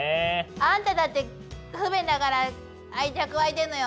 あんただって不便だから愛着湧いてるのよ！